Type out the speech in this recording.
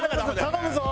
頼むぞ！